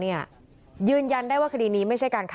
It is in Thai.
เมื่อวานแบงค์อยู่ไหนเมื่อวาน